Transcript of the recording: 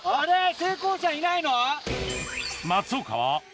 成功者いないの？